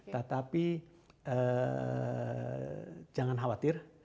tetapi jangan khawatir